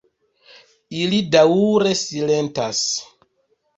Ili daŭre silentas.